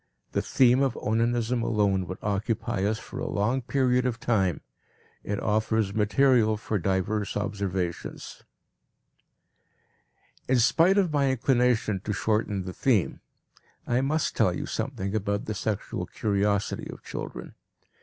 The theme of onanism alone would occupy us for a long period of time; it offers material for diverse observations. In spite of my inclination to shorten the theme, I must tell you something about the sexual curiosity of children.